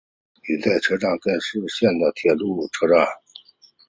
羽带车站根室本线的铁路车站。